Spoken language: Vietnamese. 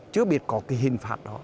chưa biết có cái hình phạt đó